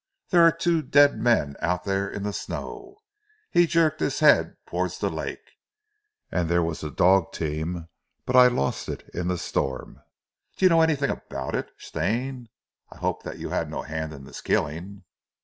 There are two dead men out there in the snow." He jerked his head towards the lake. "And there was a dog team, but I lost it in the storm. Do you know anything about it, Stane? I hope that you had no hand in this killing?"